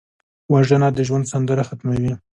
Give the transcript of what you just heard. وژنه د ژوند سندره ختموي